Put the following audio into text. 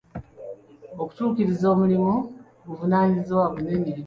Okutuukiriza omulimu buvunaanyizibwa bunene.